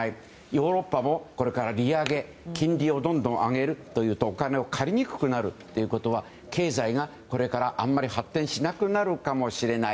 ヨーロッパもこれから利上げ金利をどんどん上げるというとお金を借りにくくなるということは経済がこれからあまり発展しなくなるかもしれない。